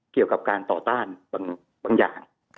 เกี่ยวกับการต่อต้านบางอย่าง